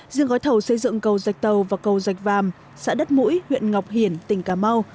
riêng gói thầu xây dựng cầu dạch tàu và cầu dạch vàm xã đất mũi huyện ngọc hiển tỉnh cà mau